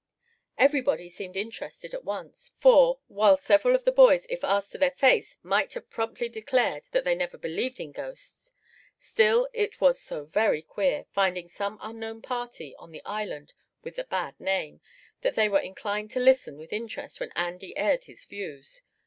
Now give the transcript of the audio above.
Everybody seemed interested at once; for, while several of the boys, if asked to their face might have promptly declared they never believed in ghosts; still, it was so very queer, finding some unknown party on the island with the bad name, that they were inclined to listen with interest when Andy aired his views.